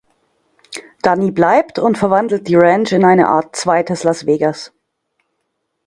Danny bleibt und verwandelt die Ranch in eine Art zweites Las Vegas.